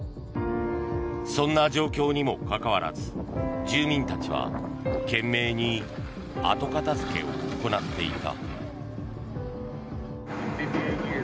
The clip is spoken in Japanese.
そんな状況にもかかわらず住民たちは懸命に後片付けを行っていた。